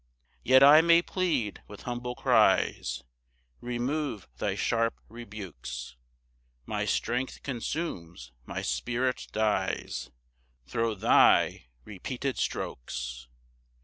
3 Yet I may plead with humble cries, Remove thy sharp rebukes; My strength consumes, my spirit dies Thro' thy repeated strokes.